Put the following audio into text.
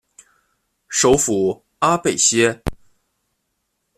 首府阿贝歇。